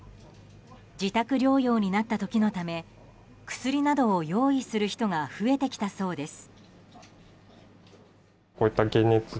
自宅療養になった時のため薬などを用意する人が増えてきたそうです。